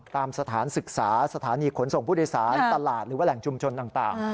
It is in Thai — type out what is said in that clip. สถานศึกษาสถานีขนส่งผู้โดยสารตลาดหรือว่าแหล่งชุมชนต่าง